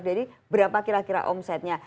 jadi berapa kira kira omsetnya